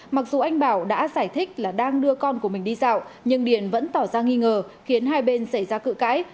mặc dù anh bảo đã giải thích là đang đưa con của mình đi dạo nhưng điền vẫn tỏ ra nghi ngờ khiến hai bên xảy ra cự cãi